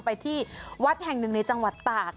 ไปที่วัดแห่งหนึ่งในจังหวัดตาก